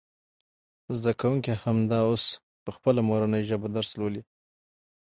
زده کوونکي همدا اوس په خپله مورنۍ ژبه درس لولي.